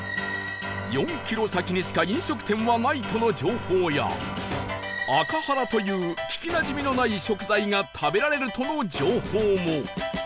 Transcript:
４キロ先にしか飲食店はないとの情報やアカハラという聞きなじみのない食材が食べられるとの情報も